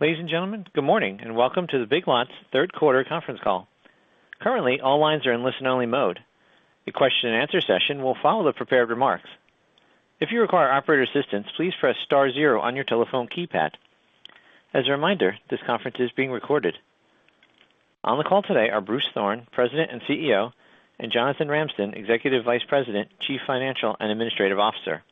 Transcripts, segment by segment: Ladies and gentlemen, good morning, and welcome to the Big Lots third quarter conference call. Currently, all lines are in listen-only mode. The question and answer session will follow the prepared remarks. If you require operator assistance, please press star zero on your telephone keypad. As a reminder, this conference is being recorded. On the call today are Bruce Thorn, President and CEO, and Jonathan Ramsden, Executive Vice President, Chief Financial and Administrative Officer.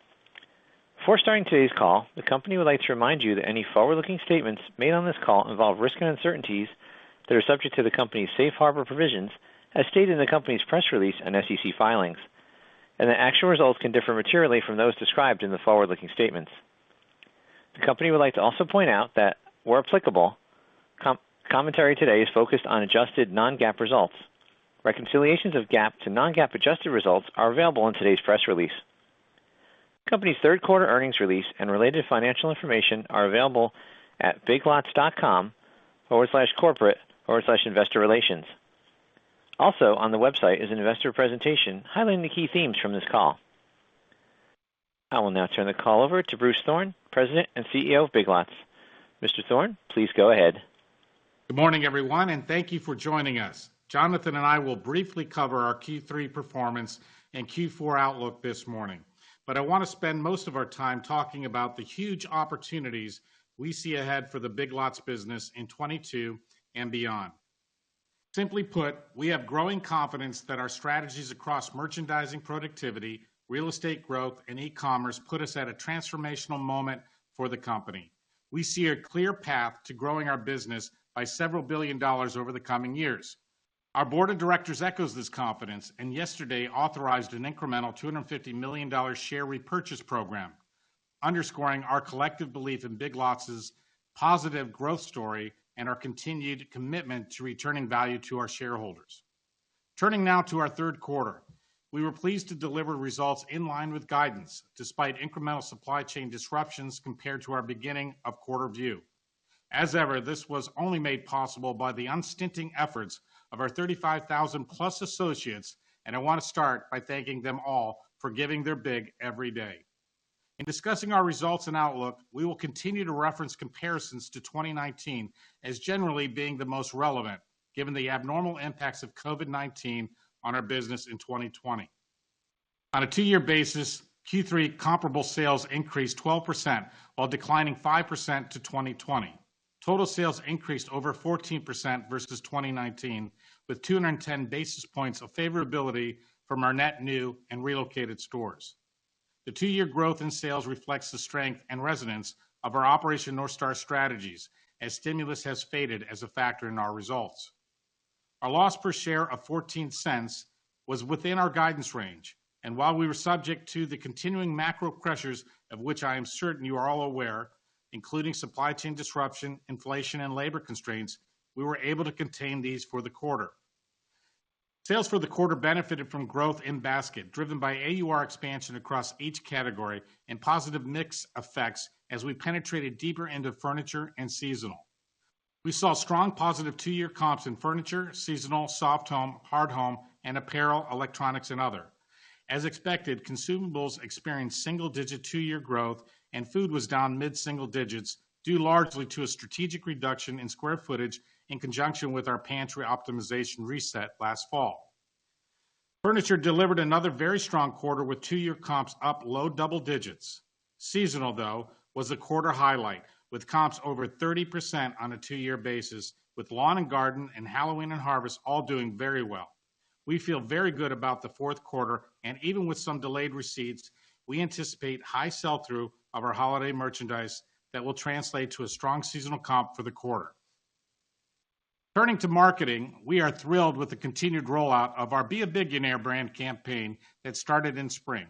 Before starting today's call, the company would like to remind you that any forward-looking statements made on this call involve risks and uncertainties that are subject to the company's safe harbor provisions, as stated in the company's press release and SEC filings, and that actual results can differ materially from those described in the forward-looking statements. The company would like to also point out that, where applicable, commentary today is focused on adjusted non-GAAP results. Reconciliations of GAAP to non-GAAP adjusted results are available in today's press release. Company's third quarter earnings release and related financial information are available at biglots.com/corporate/investorrelations. Also on the website is an investor presentation highlighting the key themes from this call. I will now turn the call over to Bruce Thorn, President and CEO of Big Lots. Mr. Thorn, please go ahead. Good morning, everyone, and thank you for joining us. Jonathan and I will briefly cover our Q3 performance and Q4 outlook this morning. I want to spend most of our time talking about the huge opportunities we see ahead for the Big Lots business in 2022 and beyond. Simply put, we have growing confidence that our strategies across merchandising productivity, real estate growth, and e-commerce put us at a transformational moment for the company. We see a clear path to growing our business by several billion dollars over the coming years. Our board of directors echoes this confidence, and yesterday authorized an incremental $250 million share repurchase program, underscoring our collective belief in Big Lots' positive growth story and our continued commitment to returning value to our shareholders. Turning now to our third quarter. We were pleased to deliver results in line with guidance despite incremental supply chain disruptions compared to our beginning of quarter view. As ever, this was only made possible by the unstinting efforts of our 35,000+ associates, and I want to start by thanking them all for giving their BIG every day. In discussing our results and outlook, we will continue to reference comparisons to 2019 as generally being the most relevant given the abnormal impacts of COVID-19 on our business in 2020. On a two-year basis, Q3 comparable sales increased 12% while declining 5% to 2020. Total sales increased over 14% versus 2019, with 210 basis points of favorability from our net new and relocated stores. The two-year growth in sales reflects the strength and resonance of our Operation North Star strategies as stimulus has faded as a factor in our results. Our loss per share of $0.14 was within our guidance range, and while we were subject to the continuing macro pressures, of which I am certain you are all aware, including supply chain disruption, inflation, and labor constraints, we were able to contain these for the quarter. Sales for the quarter benefited from growth in basket, driven by AUR expansion across each category and positive mix effects as we penetrated deeper into furniture and seasonal. We saw strong positive two-year comps in furniture, seasonal, soft home, hard home, and apparel, electronics, and other. As expected, consumables experienced single-digit two-year growth, and food was down mid-single digits, due largely to a strategic reduction in square footage in conjunction with our pantry optimization reset last fall. Furniture delivered another very strong quarter with two-year comps up low double digits. Seasonal, though, was the quarter highlight, with comps over 30% on a two-year basis, with lawn and garden and Halloween and harvest all doing very well. We feel very good about the fourth quarter, and even with some delayed receipts, we anticipate high sell-through of our holiday merchandise that will translate to a strong seasonal comp for the quarter. Turning to marketing, we are thrilled with the continued rollout of our Be A BIGionaire brand campaign that started in spring.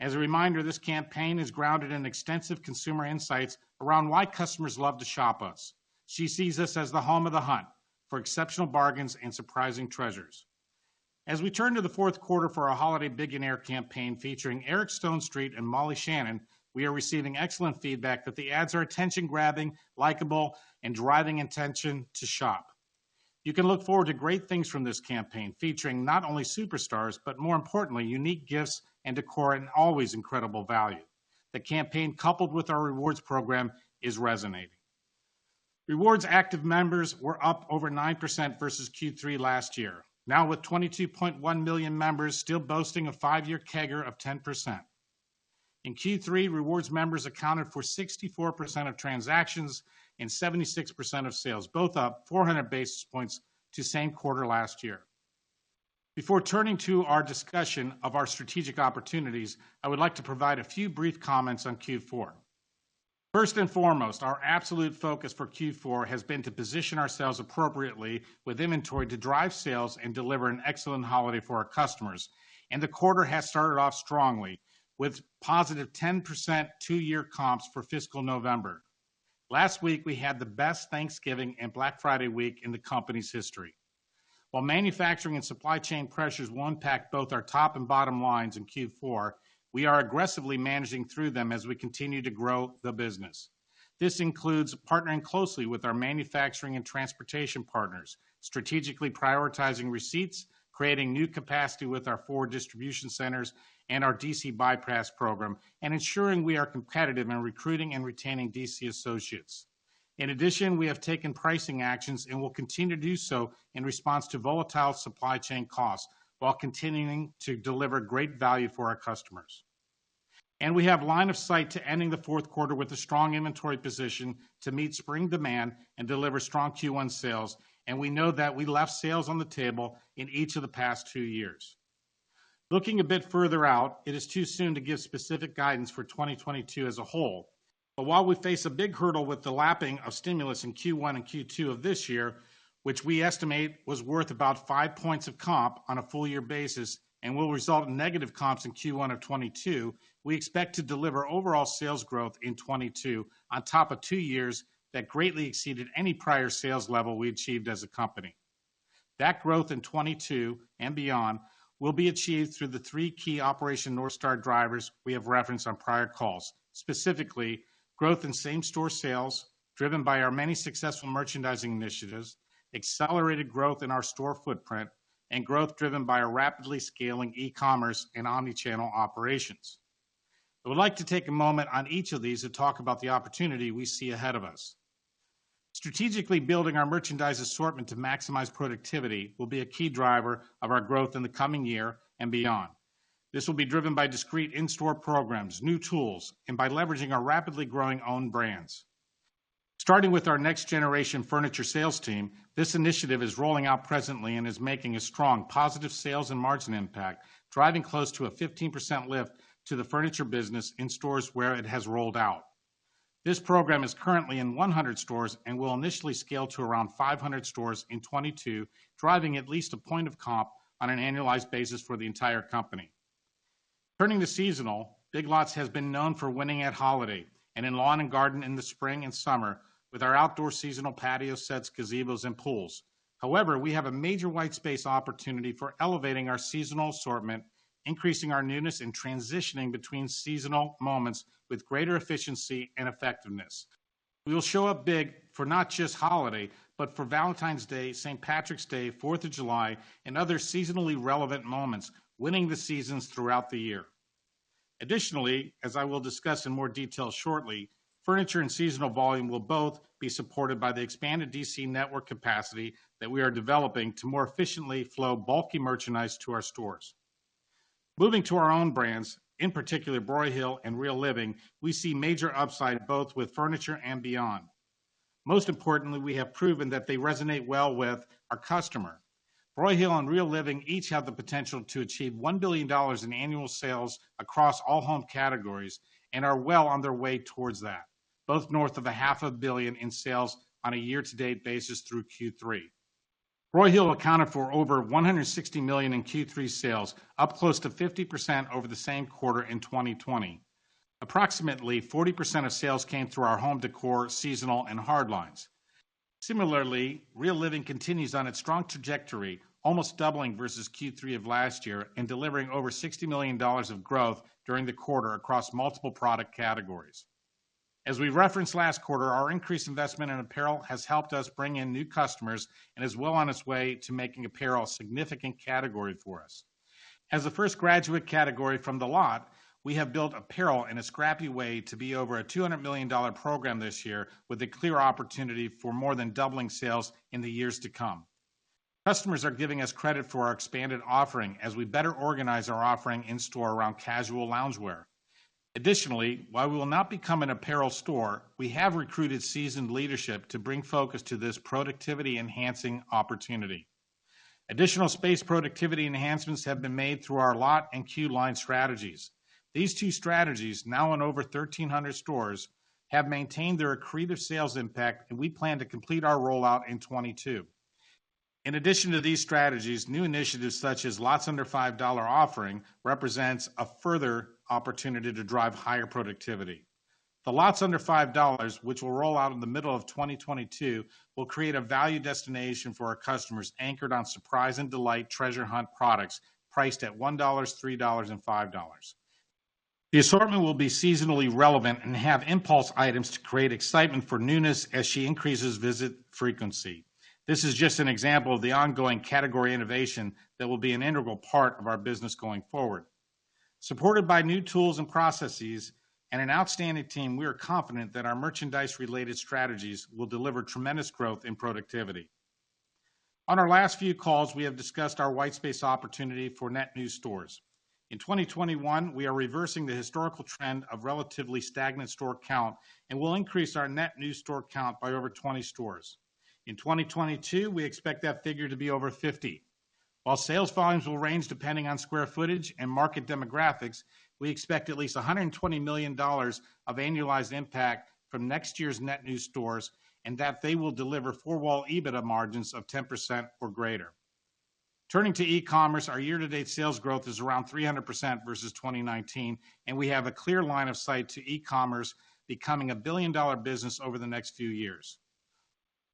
As a reminder, this campaign is grounded in extensive consumer insights around why customers love to shop us. She sees us as the home of the hunt for exceptional bargains and surprising treasures. As we turn to the fourth quarter for our Holiday BIGionaire campaign featuring Eric Stonestreet and Molly Shannon, we are receiving excellent feedback that the ads are attention-grabbing, likable, and driving intention to shop. You can look forward to great things from this campaign, featuring not only superstars, but more importantly, unique gifts and decor and always incredible value. The campaign, coupled with our rewards program, is resonating. Rewards active members were up over 9% versus Q3 last year. Now with 22.1 million members still boasting a five-year CAGR of 10%. In Q3, Rewards members accounted for 64% of transactions and 76% of sales, both up 400 basis points versus the same quarter last year. Before turning to our discussion of our strategic opportunities, I would like to provide a few brief comments on Q4. First and foremost, our absolute focus for Q4 has been to position ourselves appropriately with inventory to drive sales and deliver an excellent holiday for our customers. The quarter has started off strongly, with positive 10% two-year comps for fiscal November. Last week, we had the best Thanksgiving and Black Friday week in the company's history. While manufacturing and supply chain pressures will impact both our top and bottom lines in Q4, we are aggressively managing through them as we continue to grow the business. This includes partnering closely with our manufacturing and transportation partners, strategically prioritizing receipts, creating new capacity with our four distribution centers and our DC Bypass Program, and ensuring we are competitive in recruiting and retaining DC associates. In addition, we have taken pricing actions and will continue to do so in response to volatile supply chain costs, while continuing to deliver great value for our customers. We have line of sight to ending the fourth quarter with a strong inventory position to meet spring demand and deliver strong Q1 sales, and we know that we left sales on the table in each of the past two years. Looking a bit further out, it is too soon to give specific guidance for 2022 as a whole. While we face a big hurdle with the lapping of stimulus in Q1 and Q2 of this year, which we estimate was worth about five points of comp on a full year basis and will result in negative comps in Q1 of 2022, we expect to deliver overall sales growth in 2022 on top of two years that greatly exceeded any prior sales level we achieved as a company. That growth in 2022 and beyond will be achieved through the three key Operation North Star drivers we have referenced on prior calls. Specifically, growth in same-store sales driven by our many successful merchandising initiatives, accelerated growth in our store footprint, and growth driven by a rapidly scaling e-commerce and omni-channel operations. I would like to take a moment on each of these to talk about the opportunity we see ahead of us. Strategically building our merchandise assortment to maximize productivity will be a key driver of our growth in the coming year and beyond. This will be driven by discrete in-store programs, new tools, and by leveraging our rapidly growing own brands. Starting with our next generation furniture sales team, this initiative is rolling out presently and is making a strong positive sales and margin impact, driving close to a 15% lift to the furniture business in stores where it has rolled out. This program is currently in 100 stores and will initially scale to around 500 stores in 2022, driving at least one point of comp on an annualized basis for the entire company. Turning to seasonal, Big Lots has been known for winning at holiday and in lawn and garden in the spring and summer with our outdoor seasonal patio sets, gazebos, and pools. However, we have a major white space opportunity for elevating our seasonal assortment, increasing our newness, and transitioning between seasonal moments with greater efficiency and effectiveness. We will show up big for not just holiday, but for Valentine's Day, St. Patrick's Day, 4th of July, and other seasonally relevant moments, winning the seasons throughout the year. Additionally, as I will discuss in more detail shortly, furniture and seasonal volume will both be supported by the expanded DC network capacity that we are developing to more efficiently flow bulky merchandise to our stores. Moving to our own brands, in particular Broyhill and Real Living, we see major upside both with furniture and beyond. Most importantly, we have proven that they resonate well with our customer. Broyhill and Real Living each have the potential to achieve $1 billion in annual sales across all home categories and are well on their way towards that, both north of half a billion in sales on a year-to-date basis through Q3. Broyhill accounted for over $160 million in Q3 sales, up close to 50% over the same quarter in 2020. Approximately 40% of sales came through our home decor, seasonal, and hard lines. Similarly, Real Living continues on its strong trajectory, almost doubling versus Q3 of last year and delivering over $60 million of growth during the quarter across multiple product categories. As we referenced last quarter, our increased investment in apparel has helped us bring in new customers and is well on its way to making apparel a significant category for us. As the first graduate category from The Lot, we have built apparel in a scrappy way to be over a $200 million program this year, with a clear opportunity for more than doubling sales in the years to come. Customers are giving us credit for our expanded offering as we better organize our offering in-store around casual loungewear. Additionally, while we will not become an apparel store, we have recruited seasoned leadership to bring focus to this productivity-enhancing opportunity. Additional space productivity enhancements have been made through our The Lot and Queue Line strategies. These two strategies, now in over 1,300 stores, have maintained their accretive sales impact, and we plan to complete our rollout in 2022. In addition to these strategies, new initiatives such as Lots Under $5 offering represents a further opportunity to drive higher productivity. Lots Under $5, which will roll out in the middle of 2022, will create a value destination for our customers anchored on surprise and delight treasure hunt products priced at $1, $3, and $5. The assortment will be seasonally relevant and have impulse items to create excitement for newness as we increase visit frequency. This is just an example of the ongoing category innovation that will be an integral part of our business going forward. Supported by new tools and processes and an outstanding team, we are confident that our merchandise-related strategies will deliver tremendous growth in productivity. On our last few calls, we have discussed our white space opportunity for net new stores. In 2021, we are reversing the historical trend of relatively stagnant store count and will increase our net new store count by over 20 stores. In 2022, we expect that figure to be over 50. While sales volumes will range depending on square footage and market demographics, we expect at least $120 million of annualized impact from next year's net new stores, and that they will deliver four-wall EBITDA margins of 10% or greater. Turning to e-commerce, our year-to-date sales growth is around 300% versus 2019, and we have a clear line of sight to e-commerce becoming a billion-dollar business over the next few years.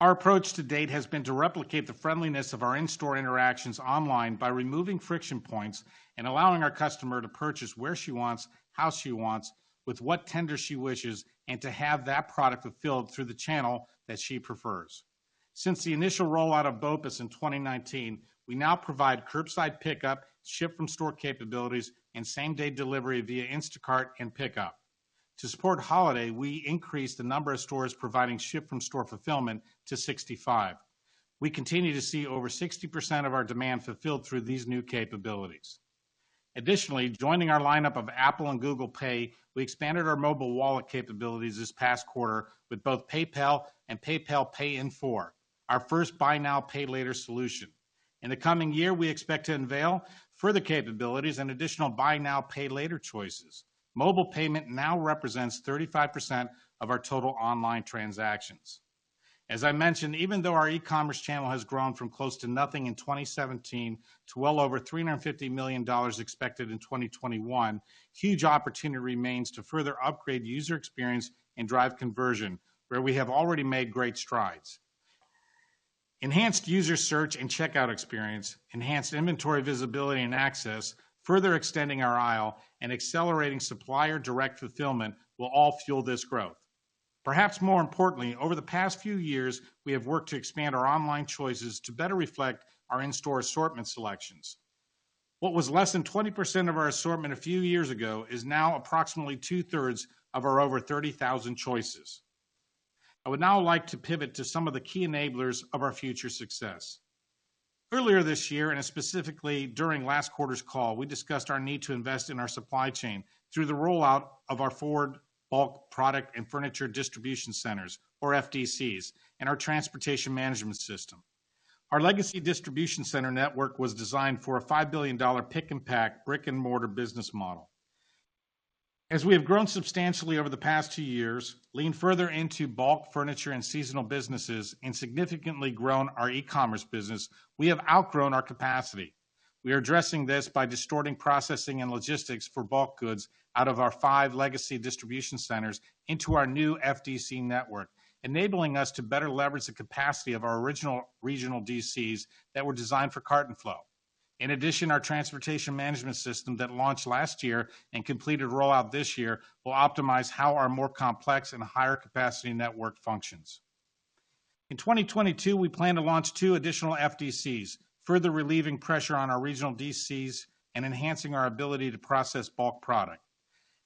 Our approach to date has been to replicate the friendliness of our in-store interactions online by removing friction points and allowing our customer to purchase where she wants, how she wants, with what tender she wishes, and to have that product fulfilled through the channel that she prefers. Since the initial rollout of BOPUS in 2019, we now provide curbside pickup, ship from store capabilities, and same-day delivery via Instacart and PICKUP. To support holiday, we increased the number of stores providing ship from store fulfillment to 65. We continue to see over 60% of our demand fulfilled through these new capabilities. Additionally, joining our lineup of Apple and Google Pay, we expanded our mobile wallet capabilities this past quarter with both PayPal and PayPal Pay in 4, our first buy now, pay later solution. In the coming year, we expect to unveil further capabilities and additional buy now, pay later choices. Mobile payment now represents 35% of our total online transactions. As I mentioned, even though our e-commerce channel has grown from close to nothing in 2017 to well over $350 million expected in 2021, huge opportunity remains to further upgrade user experience and drive conversion, where we have already made great strides. Enhanced user search and checkout experience, enhanced inventory visibility and access, further extending our aisle, and accelerating supplier direct fulfillment will all fuel this growth. Perhaps more importantly, over the past few years, we have worked to expand our online choices to better reflect our in-store assortment selections. What was less than 20% of our assortment a few years ago is now approximately two-thirds of our over 30,000 choices. I would now like to pivot to some of the key enablers of our future success. Earlier this year, and specifically during last quarter's call, we discussed our need to invest in our supply chain through the rollout of our forward bulk product and furniture distribution centers, or FDCs, and our transportation management system. Our legacy distribution center network was designed for a $5 billion pick-and-pack brick-and-mortar business model. As we have grown substantially over the past two years, leaned further into bulk furniture and seasonal businesses, and significantly grown our e-commerce business, we have outgrown our capacity. We are addressing this by diverting processing and logistics for bulk goods out of our five legacy distribution centers into our new FDC network, enabling us to better leverage the capacity of our original regional DCs that were designed for carton flow. In addition, our transportation management system that launched last year and completed rollout this year will optimize how our more complex and higher capacity network functions. In 2022, we plan to launch two additional FDCs, further relieving pressure on our regional DCs and enhancing our ability to process bulk product.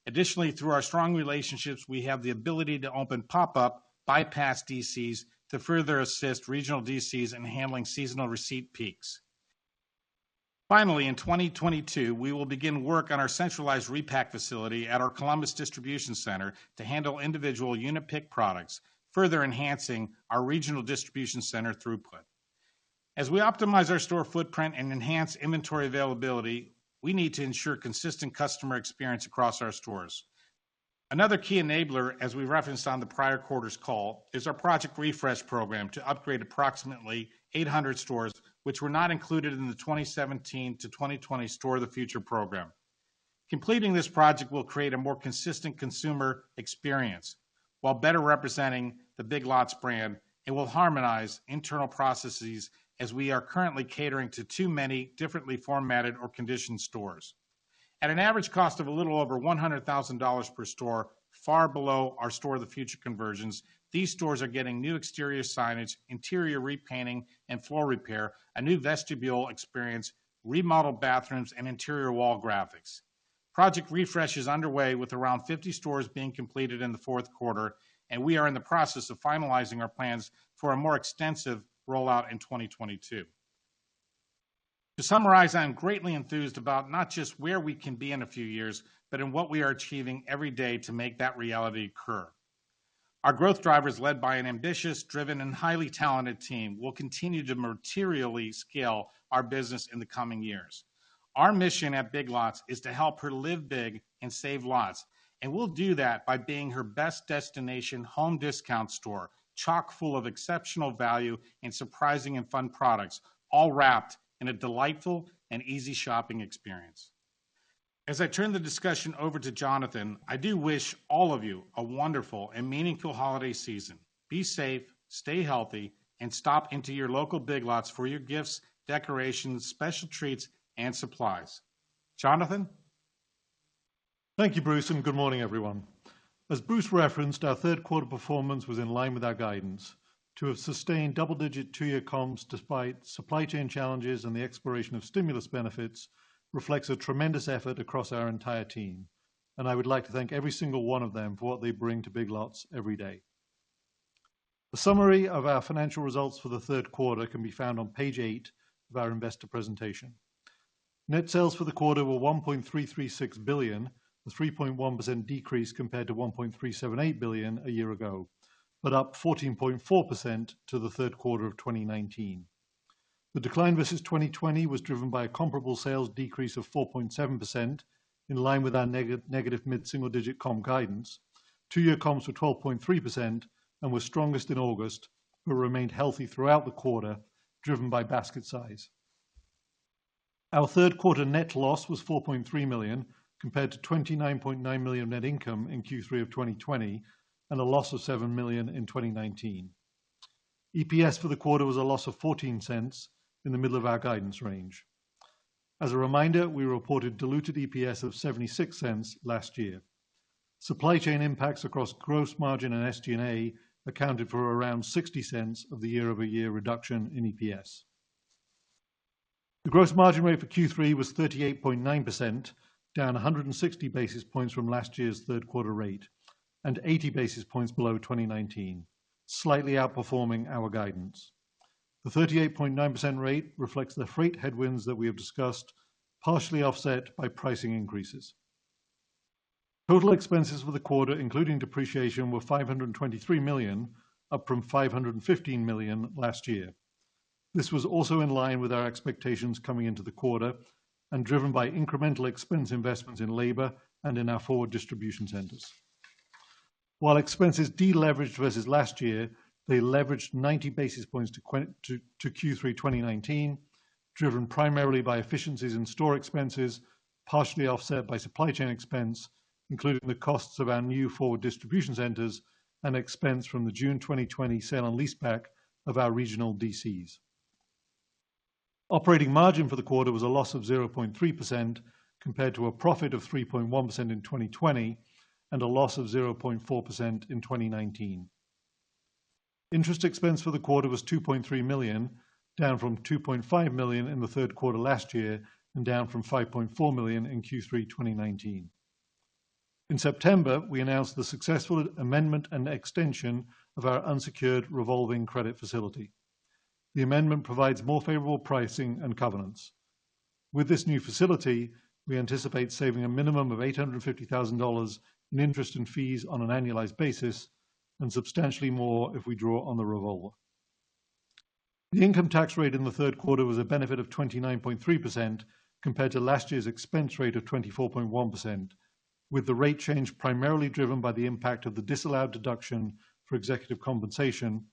Additionally, through our strong relationships, we have the ability to open pop-up bypass DCs to further assist regional DCs in handling seasonal receipt peaks. Finally, in 2022, we will begin work on our centralized repack facility at our Columbus distribution center to handle individual unit pick products, further enhancing our regional distribution center throughput. As we optimize our store footprint and enhance inventory availability, we need to ensure consistent customer experience across our stores. Another key enabler, as we referenced on the prior quarter's call, is our Project Refresh program to upgrade approximately 800 stores which were not included in the 2017 - 2020 Store of the Future program. Completing this project will create a more consistent consumer experience while better representing the Big Lots brand. It will harmonize internal processes as we are currently catering to too many differently formatted or conditioned stores. At an average cost of a little over $100,000 per store, far below our Store of the Future conversions, these stores are getting new exterior signage, interior repainting, and floor repair, a new vestibule experience, remodeled bathrooms, and interior wall graphics. Project Refresh is underway with around 50 stores being completed in the fourth quarter, and we are in the process of finalizing our plans for a more extensive rollout in 2022. To summarize, I am greatly enthused about not just where we can be in a few years, but in what we are achieving every day to make that reality occur. Our growth drivers, led by an ambitious, driven, and highly talented team, will continue to materially scale our business in the coming years. Our mission at Big Lots is to help her live big and save lots, and we'll do that by being her best destination home discount store, chock-full of exceptional value and surprising and fun products, all wrapped in a delightful and easy shopping experience. As I turn the discussion over to Jonathan, I do wish all of you a wonderful and meaningful holiday season. Be safe, stay healthy, and stop into your local Big Lots for your gifts, decorations, special treats, and supplies. Jonathan? Thank you, Bruce, and good morning, everyone. As Bruce referenced, our third quarter performance was in line with our guidance. To have sustained double-digit two-year comps despite supply chain challenges and the expiration of stimulus benefits reflects a tremendous effort across our entire team, and I would like to thank every single one of them for what they bring to Big Lots every day. The summary of our financial results for the third quarter can be found on page eight of our investor presentation. Net sales for the quarter were $1.336 billion, with 3.1% decrease compared to $1.378 billion a year ago, but up 14.4% to the third quarter of 2019. The decline versus 2020 was driven by a comparable sales decrease of 4.7%, in line with our negative mid-single-digit comp guidance. Two-year comps were 12.3% and were strongest in August, but remained healthy throughout the quarter, driven by basket size. Our third quarter net loss was $4.3 million, compared to $29.9 million net income in Q3 of 2020, and a loss of $7 million in 2019. EPS for the quarter was a loss of $0.14 in the middle of our guidance range. As a reminder, we reported diluted EPS of $0.76 last year. Supply chain impacts across gross margin and SG&A accounted for around $0.60 of the year-over-year reduction in EPS. The gross margin rate for Q3 was 38.9%, down 160 basis points from last year's third quarter rate, and 80 basis points below 2019, slightly outperforming our guidance. The 38.9% rate reflects the freight headwinds that we have discussed, partially offset by pricing increases. Total expenses for the quarter, including depreciation, were $523 million, up from $515 million last year. This was also in line with our expectations coming into the quarter and driven by incremental expense investments in labor and in our forward distribution centers. While expenses deleveraged versus last year, they leveraged 90 basis points to Q3 2019, driven primarily by efficiencies in store expenses, partially offset by supply chain expense, including the costs of our new forward distribution centers and expense from the June 2020 sale and leaseback of our regional DCs. Operating margin for the quarter was a loss of 0.3% compared to a profit of 3.1% in 2020 and a loss of 0.4% in 2019. Interest expense for the quarter was $2.3 million, down from $2.5 million in the third quarter last year and down from $5.4 million in Q3 2019. In September, we announced the successful amendment and extension of our unsecured revolving credit facility. The amendment provides more favorable pricing and covenants. With this new facility, we anticipate saving a minimum of $850,000 in interest and fees on an annualized basis and substantially more if we draw on the revolver. The income tax rate in the third quarter was a benefit of 29.3% compared to last year's expense rate of 24.1%, with the rate change primarily driven by the impact of the disallowed deduction for executive compensation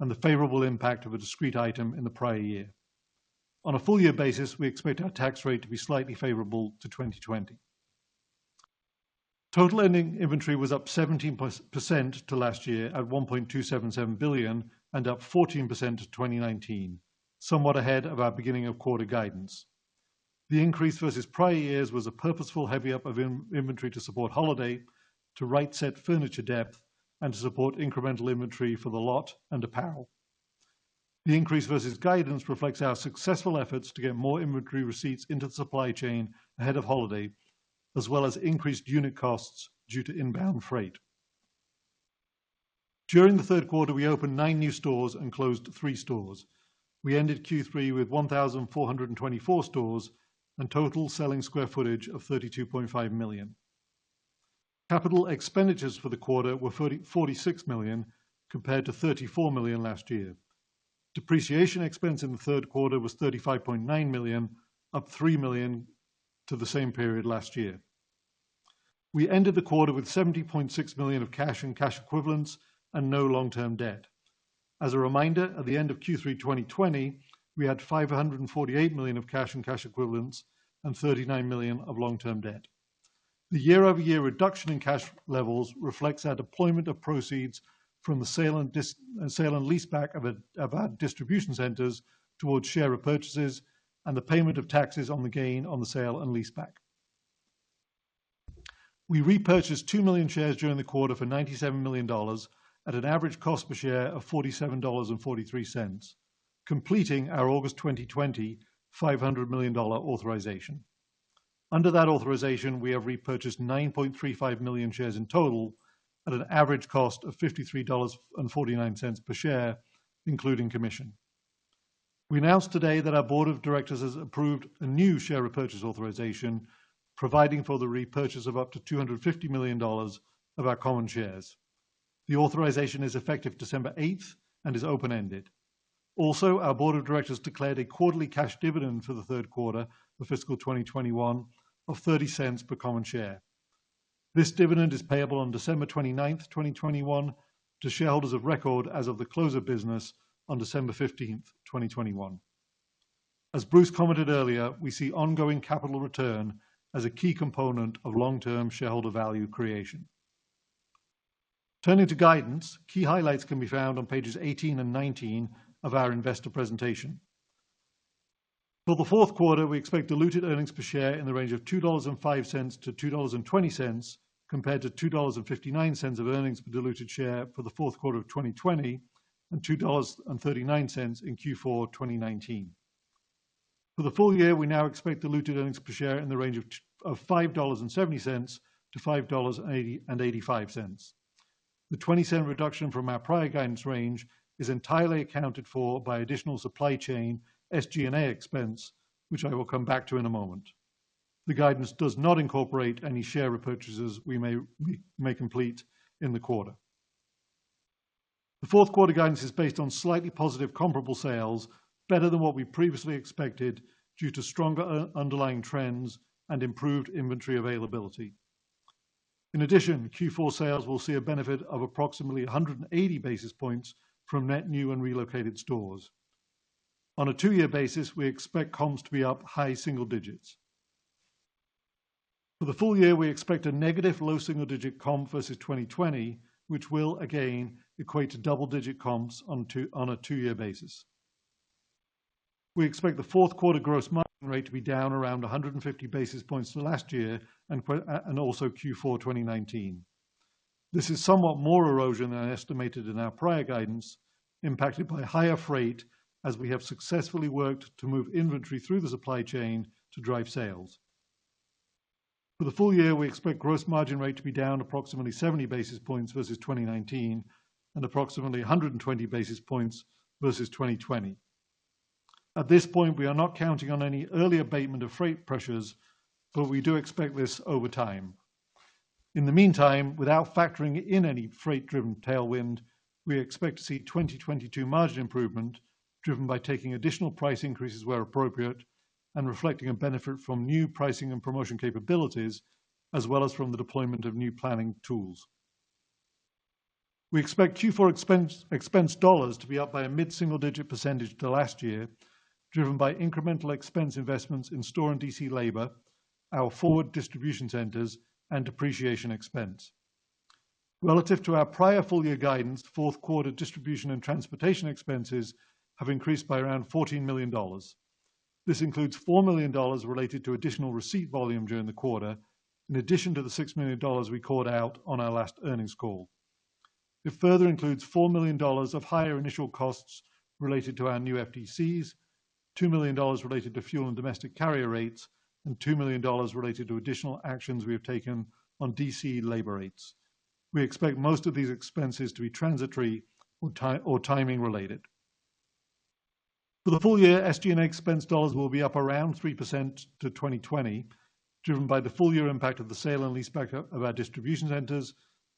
and the favorable impact of a discrete item in the prior year. On a full year basis, we expect our tax rate to be slightly favorable to 2020. Total ending inventory was up 17% to last year at $1.277 billion and up 14% to 2019, somewhat ahead of our beginning of quarter guidance. The increase versus prior years was a purposeful heavy-up in inventory to support holiday, to right-size furniture depth, and to support incremental inventory for The Lot and apparel. The increase versus guidance reflects our successful efforts to get more inventory receipts into the supply chain ahead of holiday, as well as increased unit costs due to inbound freight. During the third quarter, we opened nine new stores and closed three stores. We ended Q3 with 1,424 stores and total selling square footage of 32.5 million sq ft. Capital expenditures for the quarter were $46 million compared to $34 million last year. Depreciation expense in the third quarter was $35.9 million, up $3 million from the same period last year. We ended the quarter with $70.6 million of cash and cash equivalents and no long-term debt. As a reminder, at the end of Q3 2020, we had $548 million of cash and cash equivalents and $39 million of long-term debt. The year-over-year reduction in cash levels reflects our deployment of proceeds from the sale and leaseback of our distribution centers towards share repurchases and the payment of taxes on the gain on the sale and leaseback. We repurchased two million shares during the quarter for $97 million at an average cost per share of $47.43, completing our August 2020 $500 million authorization. Under that authorization, we have repurchased 9.35 million shares in total at an average cost of $53.49 per share, including commission. We announced today that our board of directors has approved a new share repurchase authorization providing for the repurchase of up to $250 million of our common shares. The authorization is effective December 8th and is open-ended. Our board of directors declared a quarterly cash dividend for the third quarter for fiscal 2021 of $0.30 per common share. This dividend is payable on December 29th, 2021 to shareholders of record as of the close of business on December 15th, 2021. As Bruce commented earlier, we see ongoing capital return as a key component of long-term shareholder value creation. Turning to guidance, key highlights can be found on pages 18 and 19 of our investor presentation. For the fourth quarter, we expect diluted earnings per share in the range of $2.05-$2.20, compared to $2.59 of earnings per diluted share for the fourth quarter of 2020 and $2.39 in Q4 2019. For the full year, we now expect diluted earnings per share in the range of $5.70-$5.85. The $0.20 reduction from our prior guidance range is entirely accounted for by additional supply chain SG&A expense, which I will come back to in a moment. The guidance does not incorporate any share repurchases we may complete in the quarter. The fourth quarter guidance is based on slightly positive comparable sales, better than what we previously expected due to stronger underlying trends and improved inventory availability. In addition, Q4 sales will see a benefit of approximately 180 basis points from net new and relocated stores. On a two-year basis, we expect comps to be up high single digits. For the full year, we expect a negative low single-digit comp versus 2020, which will again equate to double-digit comps on a two-year basis. We expect the fourth quarter gross margin rate to be down around 150 basis points to last year and also Q4 2019. This is somewhat more erosion than estimated in our prior guidance, impacted by higher freight as we have successfully worked to move inventory through the supply chain to drive sales. For the full year, we expect gross margin rate to be down approximately 70 basis points versus 2019 and approximately 120 basis points versus 2020. At this point, we are not counting on any early abatement of freight pressures, but we do expect this over time. In the meantime, without factoring in any freight-driven tailwind, we expect to see 2022 margin improvement driven by taking additional price increases where appropriate and reflecting a benefit from new pricing and promotion capabilities, as well as from the deployment of new planning tools. We expect Q4 expense dollars to be up by a mid-single-digit percentage to last year, driven by incremental expense investments in store and DC labor, our forward distribution centers and depreciation expense. Relative to our prior full year guidance, fourth quarter distribution and transportation expenses have increased by around $14 million. This includes $4 million related to additional receipt volume during the quarter. In addition to the $6 million we called out on our last earnings call. It further includes $4 million of higher initial costs related to our new FDCs, $2 million related to fuel and domestic carrier rates, and $2 million related to additional actions we have taken on DC labor rates. We expect most of these expenses to be transitory or timing related. For the full year, SG&A expense dollars will be up around 3% to 2020, driven by the full year impact of the sale and leaseback of our distribution centers,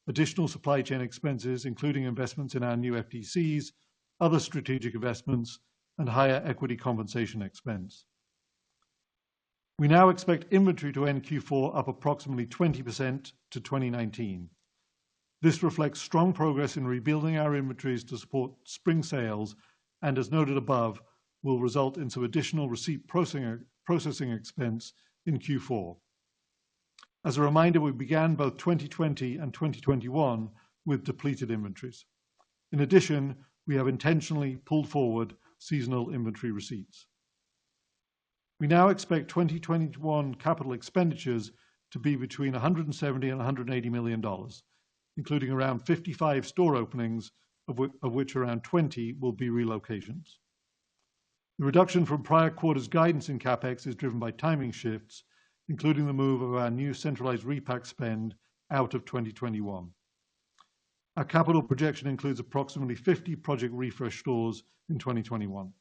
additional supply chain expenses, including investments in our new FDCs, other strategic investments and higher equity compensation expense. We now expect inventory to end Q4 up approximately 20% to 2019. This reflects strong progress in rebuilding our inventories to support spring sales, and as noted above, will result in some additional receipt processing expense in Q4. As a reminder, we began both 2020 and 2021 with depleted inventories. In addition, we have intentionally pulled forward seasonal inventory receipts. We now expect 2021 capital expenditures to be between $170 million and $180 million, including around 55 store openings, of which around 20 will be relocations. The reduction from prior quarters guidance in CapEx is driven by timing shifts, including the move of our new centralized repack spend out of 2021. Our capital projection includes approximately 50 Project Refresh stores in 2021.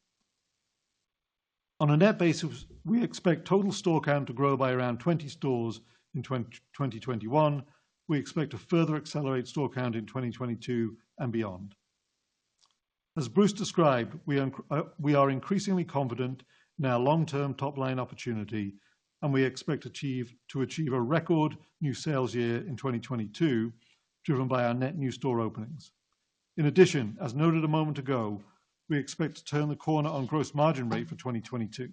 On a net basis, we expect total store count to grow by around 20 stores in 2021. We expect to further accelerate store count in 2022 and beyond. As Bruce described, we are increasingly confident in our long term top line opportunity, and we expect to achieve a record new sales year in 2022, driven by our net new store openings. In addition, as noted a moment ago, we expect to turn the corner on gross margin rate for 2022.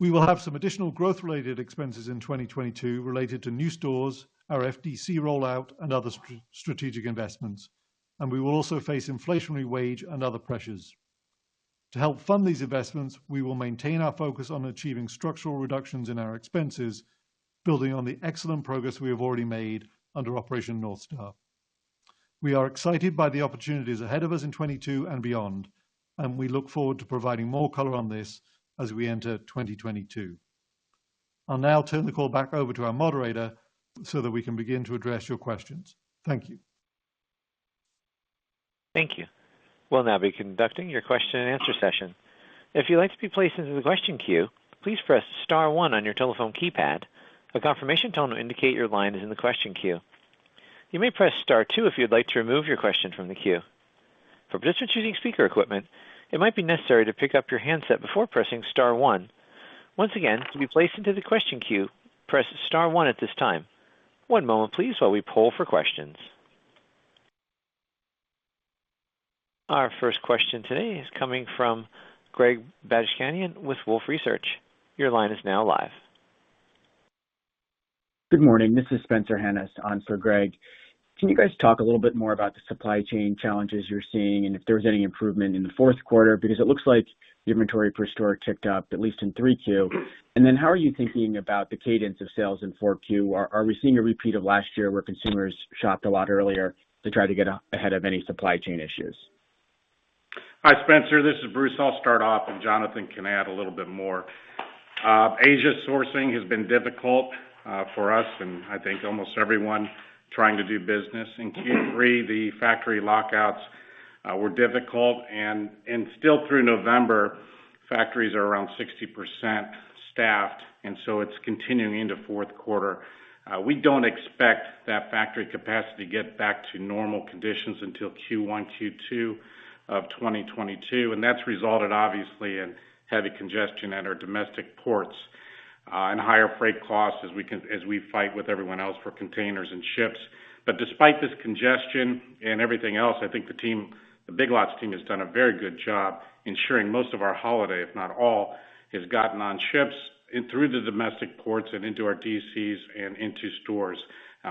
We will have some additional growth related expenses in 2022 related to new stores, our FDC rollout, and other strategic investments. We will also face inflationary wage and other pressures. To help fund these investments, we will maintain our focus on achieving structural reductions in our expenses, building on the excellent progress we have already made under Operation North Star. We are excited by the opportunities ahead of us in 2022 and beyond, and we look forward to providing more color on this as we enter 2022. I'll now turn the call back over to our moderator so that we can begin to address your questions. Thank you. Thank you. We'll now be conducting your question and answer session. If you'd like to be placed into the question queue, please press star one on your telephone keypad. A confirmation tone to indicate your line is in the question queue. You may press star two if you'd like to remove your question from the queue. For participants using speaker equipment, it might be necessary to pick up your handset before pressing star one. Once again, to be placed into the question queue, press star one at this time. One moment, please, while we poll for questions. Our first question today is coming from Greg Badishkanian with Wolfe Research. Your line is now live. Good morning. This is Spencer Hanus on for Greg. Can you guys talk a little bit more about the supply chain challenges you're seeing and if there was any improvement in the fourth quarter? Because it looks like the inventory per store ticked up, at least in three Q. How are you thinking about the cadence of sales in four Q? Are we seeing a repeat of last year where consumers shopped a lot earlier to try to get ahead of any supply chain issues? Hi, Spencer, this is Bruce. I'll start off and Jonathan can add a little bit more. Asia sourcing has been difficult for us, and I think almost everyone trying to do business. In Q3, the factory lockouts were difficult and still through November, factories are around 60% staffed, and so it's continuing into fourth quarter. We don't expect that factory capacity to get back to normal conditions until Q1, Q2 of 2022, and that's resulted obviously in heavy congestion at our domestic ports. higher freight costs as we fight with everyone else for containers and ships. Despite this congestion and everything else, I think the team, the Big Lots team, has done a very good job ensuring most of our holiday, if not all, has gotten on ships and through the domestic ports and into our DCs and into stores.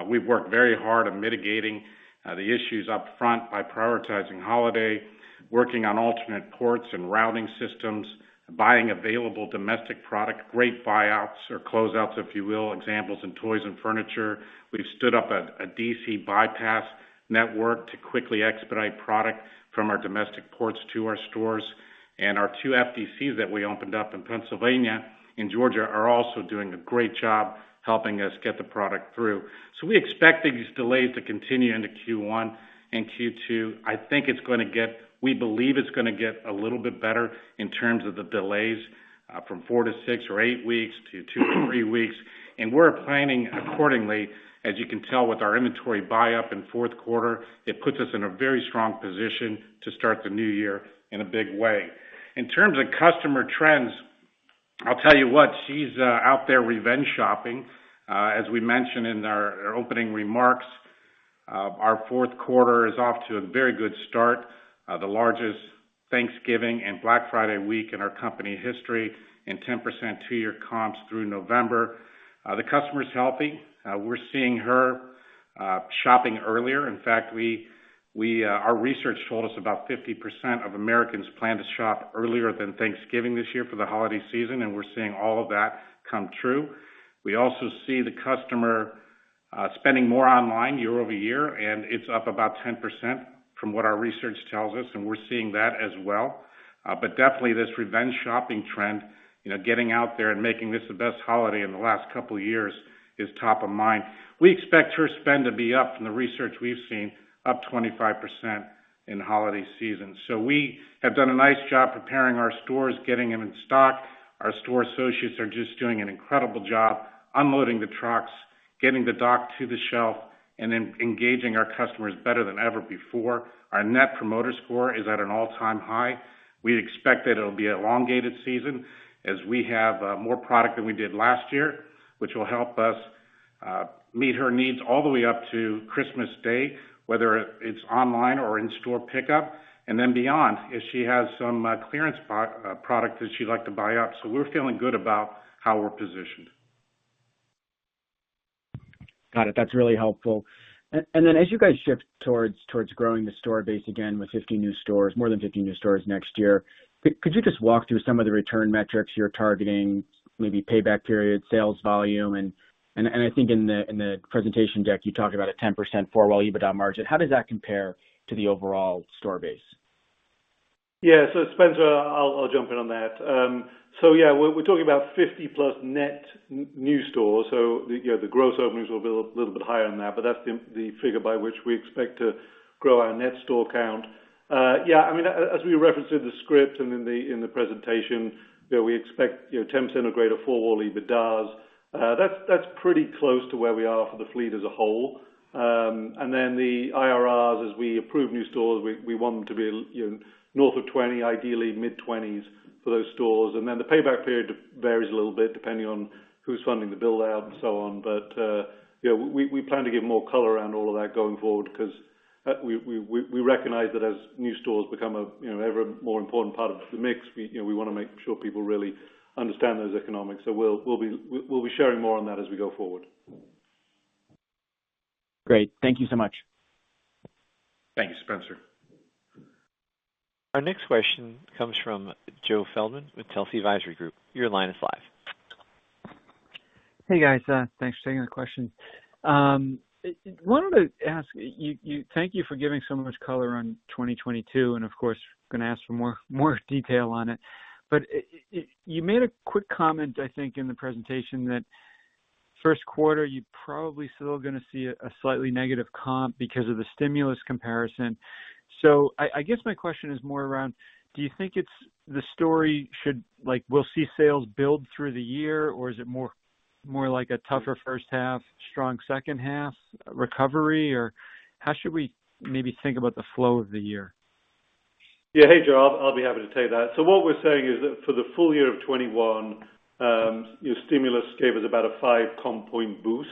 We've worked very hard on mitigating the issues up front by prioritizing holiday, working on alternate ports and routing systems, buying available domestic product, great buyouts or closeouts, if you will. Examples in toys and furniture. We've stood up a DC bypass network to quickly expedite product from our domestic ports to our stores. Our two FDCs that we opened up in Pennsylvania and Georgia are also doing a great job helping us get the product through. We expect these delays to continue into Q1 and Q2. We believe it's gonna get a little bit better in terms of the delays, from four-six or eight weeks - two-three weeks. We're planning accordingly, as you can tell, with our inventory buy-up in fourth quarter. It puts us in a very strong position to start the new year in a big way. In terms of customer trends, I'll tell you what, she's out there revenge shopping. As we mentioned in our opening remarks, our fourth quarter is off to a very good start. The largest Thanksgiving and Black Friday week in our company history and 10% two-year comps through November. The customer's healthy. We're seeing her shopping earlier. In fact, we... Our research told us about 50% of Americans plan to shop earlier than Thanksgiving this year for the holiday season, and we're seeing all of that come true. We also see the customer spending more online year over year, and it's up about 10% from what our research tells us, and we're seeing that as well. But definitely this revenge shopping trend, you know, getting out there and making this the best holiday in the last couple years is top of mind. We expect their spend to be up, from the research we've seen, up 25% in holiday season. We have done a nice job preparing our stores, getting them in stock. Our store associates are just doing an incredible job unloading the trucks, getting the dock to the shelf, and engaging our customers better than ever before. Our Net Promoter Score is at an all-time high. We expect that it'll be an elongated season, as we have more product than we did last year, which will help us meet her needs all the way up to Christmas Day, whether it's online or in-store pickup. Beyond, if she has some clearance product that she'd like to buy up. We're feeling good about how we're positioned. Got it. That's really helpful. As you guys shift towards growing the store base again with 50 new stores, more than 50 new stores next year, could you just walk through some of the return metrics you're targeting? Maybe payback period, sales volume? I think in the presentation deck, you talked about a 10% four-wall EBITDA margin. How does that compare to the overall store base? Spencer, I'll jump in on that. Yeah, we're talking about 50+ net new stores. You know, the gross openings will be a little bit higher than that, but that's the figure by which we expect to grow our net store count. Yeah, I mean, as we referenced in the script and in the presentation, you know, we expect 10% or greater four-wall EBITDAs. That's pretty close to where we are for the fleet as a whole. Then the IRRs, as we approve new stores, we want them to be, you know, north of 20, ideally mid-20s for those stores. The payback period varies a little bit depending on who's funding the build-out and so on. You know, we plan to give more color around all of that going forward because we recognize that as new stores become a you know, ever more important part of the mix, we you know, we wanna make sure people really understand those economics. We'll be sharing more on that as we go forward. Great. Thank you so much. Thank you, Spencer. Our next question comes from Joe Feldman with Telsey Advisory Group. Your line is live. Hey, guys. Thanks for taking the question. I wanted to ask, thank you for giving so much color on 2022 and, of course, gonna ask for more detail on it. You made a quick comment, I think, in the presentation that first quarter, you're probably still gonna see a slightly negative comp because of the stimulus comparison. I guess my question is more around, do you think the story should like we'll see sales build through the year, or is it more like a tougher first half, strong second half recovery? Or how should we maybe think about the flow of the year? Hey, Joe, I'll be happy to take that. What we're saying is that for the full year of 2021, stimulus gave us about a five comp point boost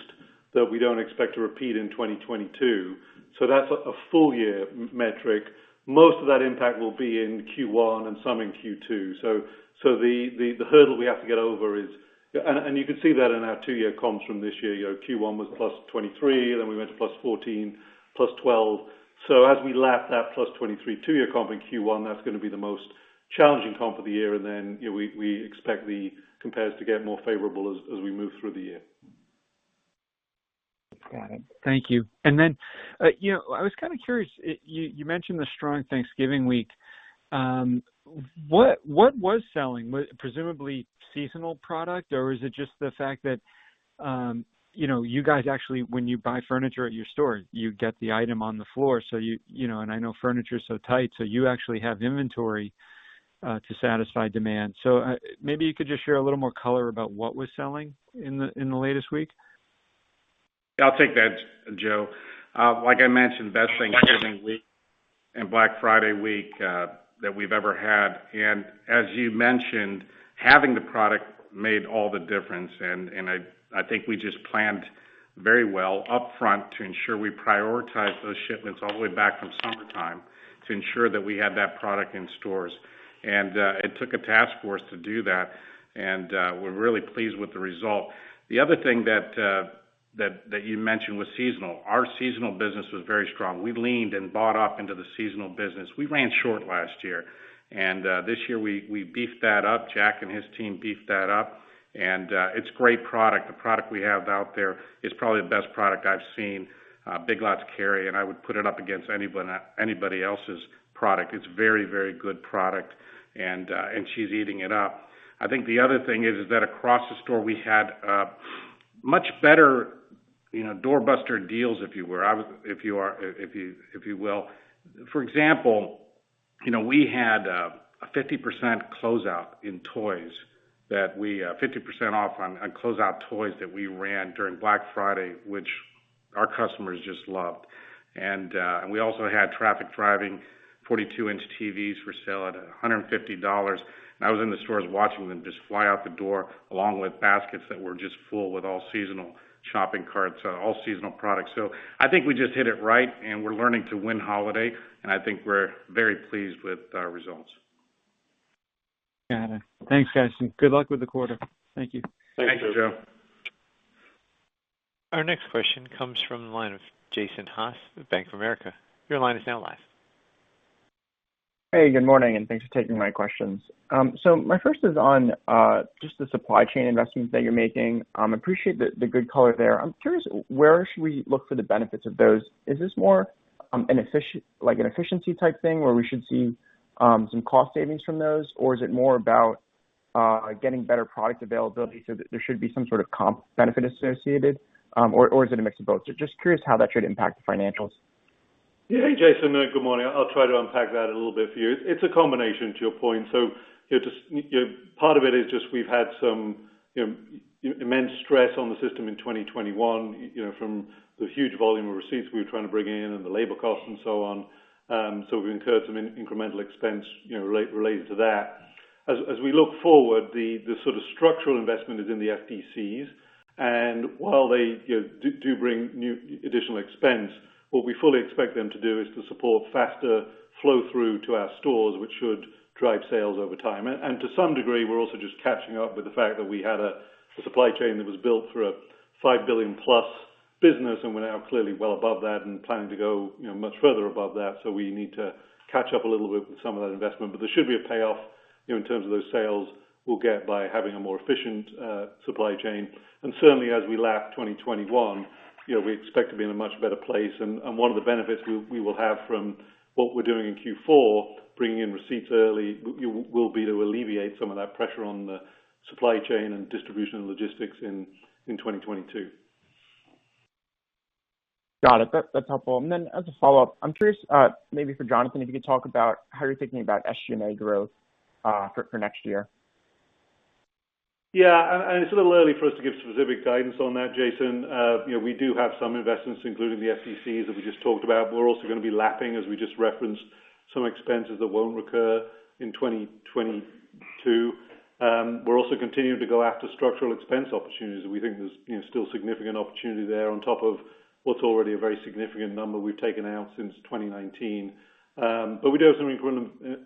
that we don't expect to repeat in 2022. That's a full year metric. Most of that impact will be in Q1 and some in Q2. The hurdle we have to get over is you can see that in our two-year comps from this year. Q1 was +23, then we went to +14, +12. As we lap that +23 two-year comp in Q1, that's gonna be the most challenging comp of the year. We expect the compares to get more favorable as we move through the year. Got it. Thank you. I was kind of curious. You mentioned the strong Thanksgiving week. What was selling? Was it presumably seasonal product, or is it just the fact that you guys actually, when you buy furniture at your store, you get the item on the floor, so you know. I know furniture is so tight, so you actually have inventory to satisfy demand. Maybe you could just share a little more color about what was selling in the latest week. I'll take that, Joe. Like I mentioned, best Thanksgiving week and Black Friday week that we've ever had. As you mentioned, having the product made all the difference. I think we just planned very well upfront to ensure we prioritize those shipments all the way back from summertime to ensure that we had that product in stores. It took a task force to do that. We're really pleased with the result. The other thing that you mentioned was seasonal. Our seasonal business was very strong. We leaned and bought up into the seasonal business. We ran short last year. This year we beefed that up. Jack and his team beefed that up. It's great product. The product we have out there is probably the best product I've seen Big Lots carry, and I would put it up against anybody else's product. It's very good product, and she's eating it up. I think the other thing is that across the store we had a much better door-buster deals, if you will. For example, we had 50% off on closeout toys that we ran during Black Friday, which our customers just loved. We also had traffic-driving 42-inch TVs for sale at $150. I was in the stores watching them just fly out the door along with baskets that were just full with all seasonal shopping carts, all seasonal products. I think we just hit it right and we're learning to win holiday, and I think we're very pleased with our results. Got it. Thanks, guys, and good luck with the quarter. Thank you. Thank, Joe Thanks, Joe. Our next question comes from the line of Jason Haas with Bank of America. Your line is now live. Hey, good morning, and thanks for taking my questions. My first is on just the supply chain investments that you're making. Appreciate the good color there. I'm curious, where should we look for the benefits of those? Is this more like an efficiency type thing where we should see some cost savings from those? Is it more about getting better product availability so that there should be some sort of comp benefit associated? Is it a mix of both? Just curious how that should impact financials. Yeah. Hey, Jason. Good morning. I'll try to unpack that a little bit for you. It's a combination to your point. Just, you know, part of it is just we've had some, you know, immense stress on the system in 2021, you know, from the huge volume of receipts we were trying to bring in and the labor costs and so on. We've incurred some incremental expense, you know, related to that. As we look forward, the sort of structural investment is in the FDCs. While they, you know, do bring new additional expense, what we fully expect them to do is to support faster flow through to our stores, which should drive sales over time. To some degree, we're also just catching up with the fact that we had a supply chain that was built for a $5 billion plus business, and we're now clearly well above that and planning to go, you know, much further above that. We need to catch up a little bit with some of that investment. There should be a payoff, you know, in terms of those sales we'll get by having a more efficient supply chain. Certainly as we lap 2021, you know, we expect to be in a much better place. One of the benefits we will have from what we're doing in Q4, bringing in receipts early, will be to alleviate some of that pressure on the supply chain and distribution and logistics in 2022. Got it. That's helpful. As a follow-up, I'm curious, maybe for Jonathan, if you could talk about how you're thinking about SG&A growth for next year? It's a little early for us to give specific guidance on that, Jason. You know, we do have some investments, including the FDCs that we just talked about. We're also gonna be lapping, as we just referenced, some expenses that won't recur in 2022. We're also continuing to go after structural expense opportunities. We think there's, you know, still significant opportunity there on top of what's already a very significant number we've taken out since 2019. But we do have some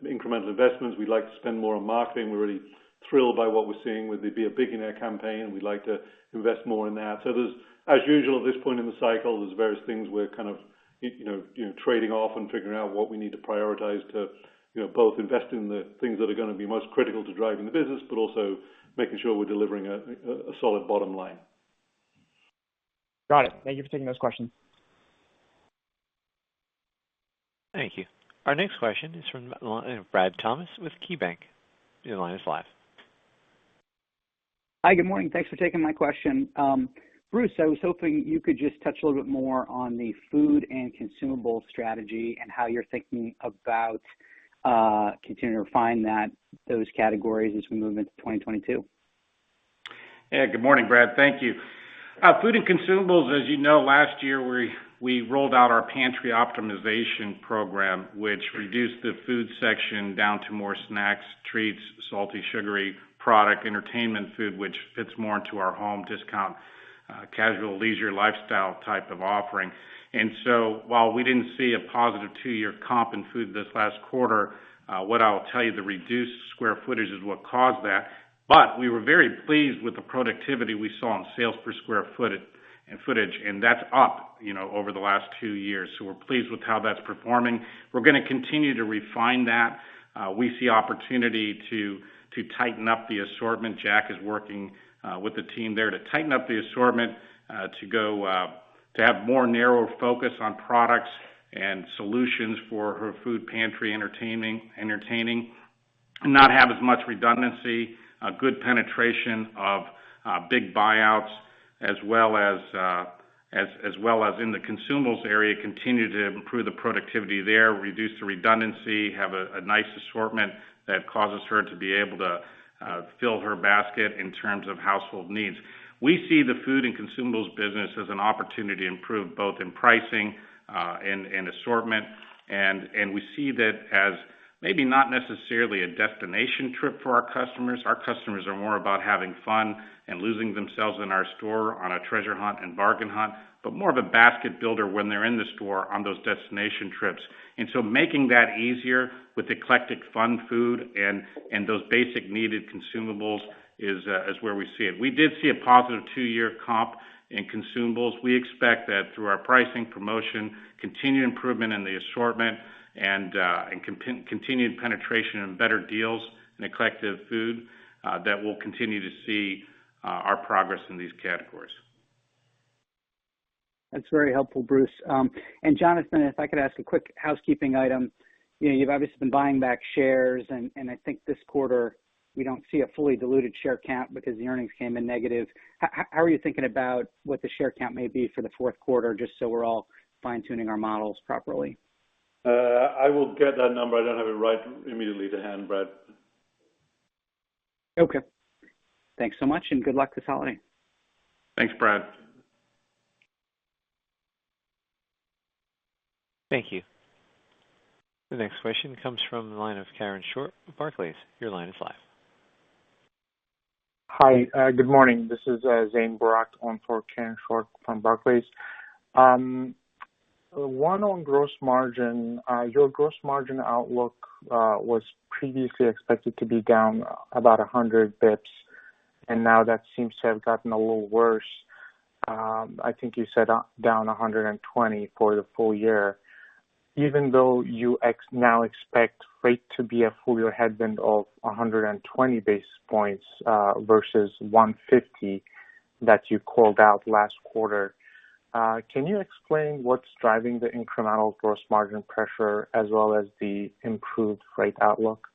incremental investments. We'd like to spend more on marketing. We're really thrilled by what we're seeing with the Be A BIGionaire campaign. We'd like to invest more in that. There's, as usual at this point in the cycle, there's various things we're kind of, you know, trading off and figuring out what we need to prioritize to, you know, both invest in the things that are gonna be most critical to driving the business, but also making sure we're delivering a solid bottom line. Got it. Thank you for taking those questions. Thank you. Our next question is from Brad Thomas with KeyBanc Capital Markets. Your line is live. Hi, good morning. Thanks for taking my question. Bruce, I was hoping you could just touch a little bit more on the food and consumable strategy and how you're thinking about continuing to refine that, those categories as we move into 2022. Yeah. Good morning, Brad. Thank you. Food and consumables, as you know, last year we rolled out our pantry optimization program, which reduced the food section down to more snacks, treats, salty, sugary product, entertainment food, which fits more into our home discount, casual leisure lifestyle type of offering. While we didn't see a positive two-year comp in food this last quarter, what I'll tell you, the reduced square footage is what caused that. We were very pleased with the productivity we saw on sales per square foot, and that's up, you know, over the last two years. We're pleased with how that's performing. We're gonna continue to refine that. We see opportunity to tighten up the assortment. Jack is working with the team there to tighten up the assortment to have more narrower focus on products and solutions for our food pantry entertaining, not have as much redundancy, a good penetration of big buyouts as well as in the consumables area, continue to improve the productivity there, reduce the redundancy, have a nice assortment that causes her to be able to fill her basket in terms of household needs. We see the food and consumables business as an opportunity to improve both in pricing and assortment. We see that as maybe not necessarily a destination trip for our customers. Our customers are more about having fun and losing themselves in our store on a treasure hunt and bargain hunt, but more of a basket builder when they're in the store on those destination trips. Making that easier with eclectic fun food and those basic needed consumables is where we see it. We did see a positive two-year comp in consumables. We expect that through our pricing promotion, continued improvement in the assortment and continued penetration and better deals in eclectic food that we'll continue to see our progress in these categories. That's very helpful, Bruce. Jonathan, if I could ask a quick housekeeping item. You know, you've obviously been buying back shares, and I think this quarter we don't see a fully diluted share count because the earnings came in negative. How are you thinking about what the share count may be for the fourth quarter, just so we're all fine-tuning our models properly? I will get that number. I don't have it right immediately to hand, Brad. Okay. Thanks so much, and good luck this holiday. Thanks, Brad. Thank you. The next question comes from the line of Karen Short, Barclays. Your line is live. Hi, good morning. This is Zane Karraker on for Karen Short from Barclays. On gross margin, your gross margin outlook was previously expected to be down about 100 basis points, and now that seems to have gotten a little worse. I think you said down 120 basis points for the full year. Even though you now expect freight to be a full year headwind of 120 basis points, versus 150 basis points that you called out last quarter, can you explain what's driving the incremental gross margin pressure as well as the improved freight outlook?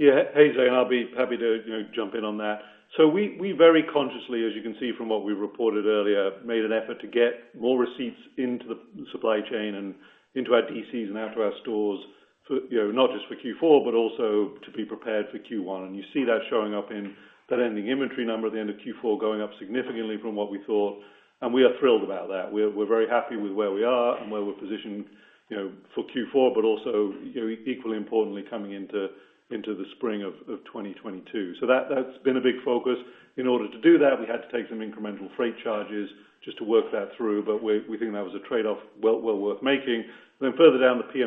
Yeah. Hey, Zane. I'll be happy to, you know, jump in on that. We very consciously, as you can see from what we reported earlier, made an effort to get more receipts into the supply chain and into our DCs and out to our stores for, you know, not just for Q4, but also to be prepared for Q1. You see that showing up in that ending inventory number at the end of Q4 going up significantly from what we thought, and we are thrilled about that. We're very happy with where we are and where we're positioned, you know, for Q4, but also, you know, equally importantly, coming into the spring of 2022. That, that's been a big focus. In order to do that, we had to take some incremental freight charges just to work that through, but we think that was a trade-off well worth making. Then further down the P&L, you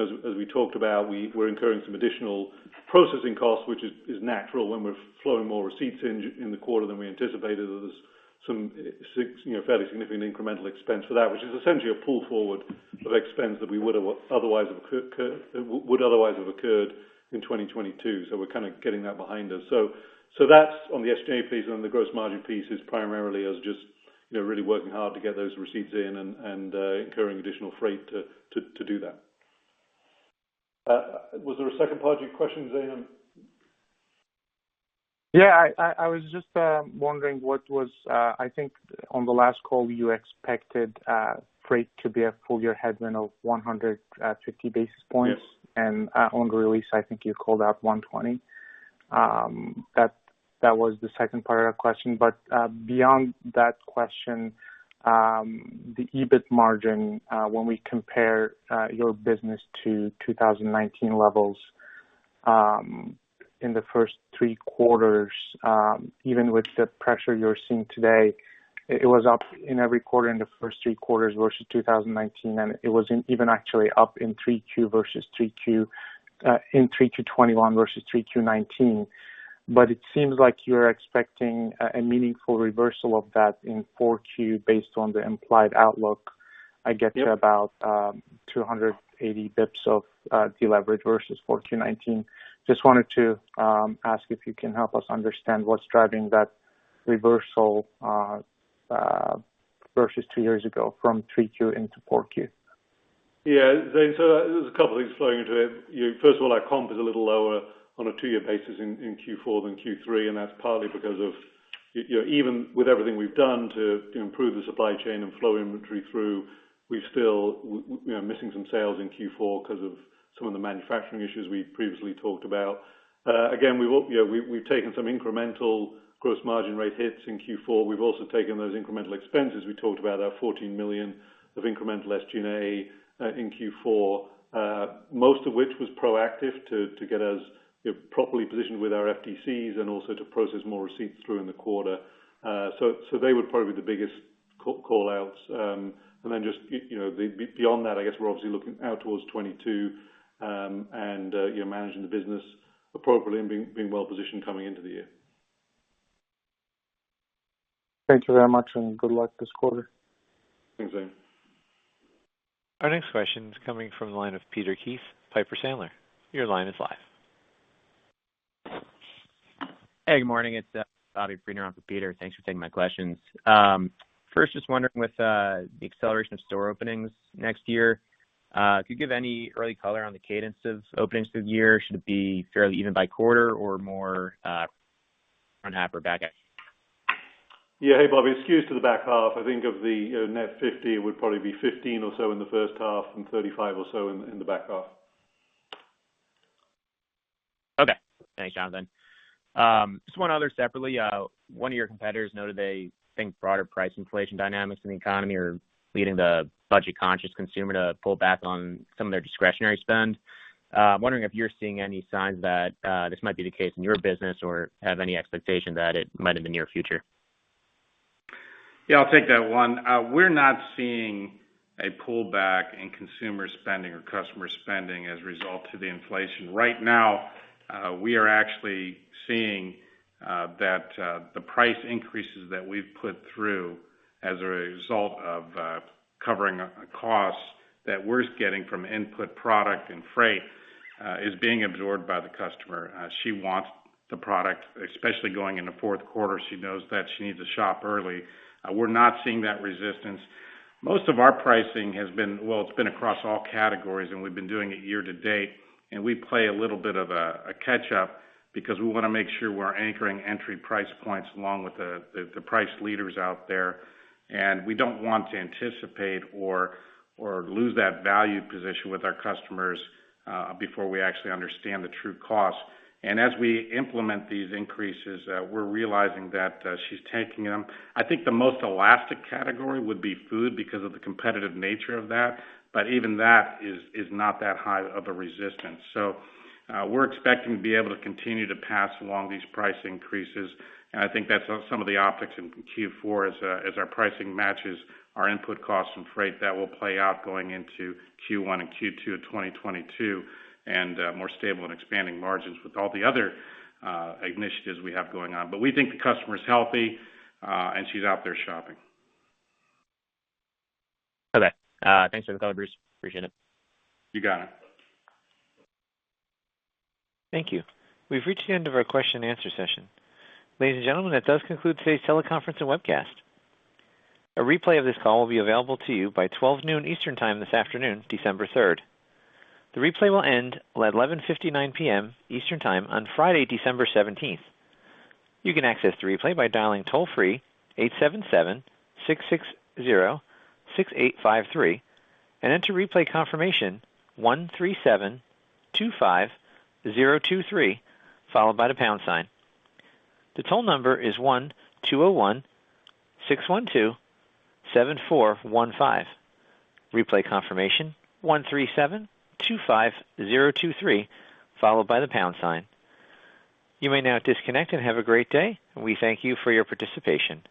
know, as we talked about, we're incurring some additional processing costs, which is natural when we're flowing more receipts in the quarter than we anticipated. There's some, you know, fairly significant incremental expense for that, which is essentially a pull forward of expense that we would otherwise have occurred in 2022. We're kind of getting that behind us. That's on the SG&A piece and on the gross margin piece is primarily as just, you know, really working hard to get those receipts in and incurring additional freight to do that. Was there a second part of your question, Zane? Yeah. I was just wondering what was. I think on the last call, you expected freight to be a full year headwind of 150 basis points. Yes. On the release, I think you called out 120 basis points. That was the second part of the question. Beyond that question, the EBIT margin, when we compare your business to 2019 levels, in the first three quarters, even with the pressure you're seeing today, it was up in every quarter in the first three quarters versus 2019, and it was even actually up in Q3 versus Q3, in Q3 2021 versus Q3 2019. It seems like you're expecting a meaningful reversal of that in four Q based on the implied outlook. Yeah. I get to about 280 basis points of deleverage versus four Q 2019. Just wanted to ask if you can help us understand what's driving that reversal versus two years ago from three Q into four Q. Yeah. Zane, there's a couple things flowing into it. First of all, our comp is a little lower on a two-year basis in Q4 than Q3, and that's partly because you know, even with everything we've done to improve the supply chain and flow inventory through, we still we are missing some sales in Q4 because of some of the manufacturing issues we previously talked about. Again, you know, we've taken some incremental gross margin rate hits in Q4. We've also taken those incremental expenses. We talked about our $14 million of incremental SG&A in Q4, most of which was proactive to get us you know, properly positioned with our FDCs and also to process more receipts through in the quarter. So they would probably be the biggest callouts. Just, you know, beyond that, I guess we're obviously looking out towards 2022, and you know, managing the business appropriately and being well positioned coming into the year. Thank you very much, and good luck this quarter. Thanks, Zane. Our next question is coming from the line of Peter Keith, Piper Sandler. Your line is live. Hey, good morning. It's Bobby Kleinert on for Peter. Thanks for taking my questions. First, just wondering with the acceleration of store openings next year, could you give any early color on the cadence of openings for the year? Should it be fairly even by quarter or more front half or back half? Yeah. Hey, Bobby. Skews to the back half. I think of the, you know, net 50 would probably be 15 or so in the first half and 35 or so in the back half. Okay. Thanks, Jonathan. Just one other separately. One of your competitors noted they think broader price inflation dynamics in the economy are leading the budget-conscious consumer to pull back on some of their discretionary spend. I'm wondering if you're seeing any signs that this might be the case in your business or have any expectation that it might in the near future. Yeah, I'll take that one. We're not seeing a pullback in consumer spending or customer spending as a result of the inflation. Right now, we are actually seeing that the price increases that we've put through as a result of covering a cost that we're getting from input product and freight is being absorbed by the customer. She wants the product, especially going into fourth quarter. She knows that she needs to shop early. We're not seeing that resistance. Most of our pricing has been well, it's been across all categories, and we've been doing it year to date. We play a little bit of a catch-up because we wanna make sure we're anchoring entry price points along with the price leaders out there. We don't want to anticipate or lose that value position with our customers before we actually understand the true cost. As we implement these increases, we're realizing that she's taking them. I think the most elastic category would be food because of the competitive nature of that, but even that is not that high of a resistance. We're expecting to be able to continue to pass along these price increases, and I think that's on some of the optics in Q4 as our pricing matches our input costs and freight that will play out going into Q1 and Q2 of 2022, and more stable and expanding margins with all the other initiatives we have going on. We think the customer is healthy and she's out there shopping. Okay. Thanks for the color, Bruce. Appreciate it. You got it. Thank you. We've reached the end of our question and answer session. Ladies and gentlemen, that does conclude today's teleconference and webcast. A replay of this call will be available to you by 12 noon Eastern time this afternoon, December 3rd. The replay will end at 11:59 P.M. Eastern time on Friday, December 17th. You can access the replay by dialing toll-free 877-660-6853 and enter replay confirmation 13725023, followed by the # sign. The toll number is 201-612-7415, replay confirmation 13725023, followed by the # sign. You may now disconnect and have a great day. We thank you for your participation.